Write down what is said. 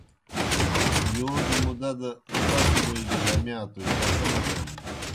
یودوْ مُدا دہ تتوْ ووئی گیْ لمِیا توْ جکہ نہ بین۔